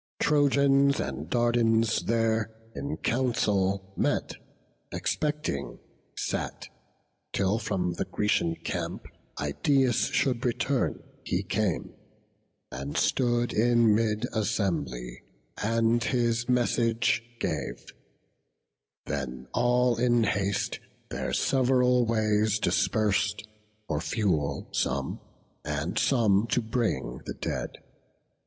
Trojans and Dardans there in council met Expecting sat, till from the Grecian camp Idaeus should return; he came, and stood In mid assembly, and his message gave: Then all in haste their sev'ral ways dispers'd, For fuel some, and some to bring the dead.